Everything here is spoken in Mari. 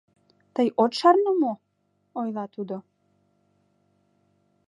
— Тый от шарне мо? — ойла тудо.